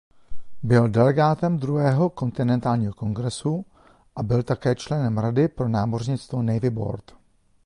Byl delegátem druhého kontinentálního kongresu a byl také členem rady pro námořnictvo Navy Board.